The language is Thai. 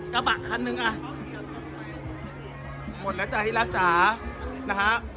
กระบะคันหนึ่งอ่ะหมดแล้วจ้ะพี่รักจ๋านะฮะ